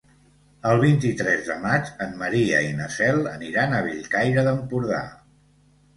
El vint-i-tres de maig en Maria i na Cel aniran a Bellcaire d'Empordà.